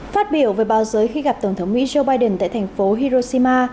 phát biểu về bao giới khi gặp tổng thống mỹ joe biden tại thành phố hiroshima